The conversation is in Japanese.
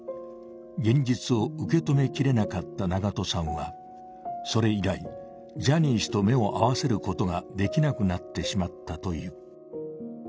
現実を受け止めきれなかった長渡さんはそれ以来、ジャニー氏と目を合わせることができなくなってしまったという。